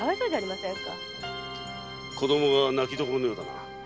子供が泣きどころのようだな。